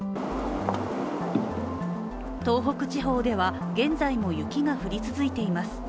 東北地方では現在も雪が降り続いています。